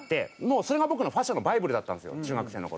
それが僕のファッションのバイブルだったんですよ中学生の頃。